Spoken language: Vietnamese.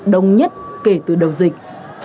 đông nhất kể từ đầu dịch